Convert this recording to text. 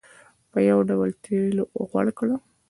په یو ډول تېلو غوړ کړ.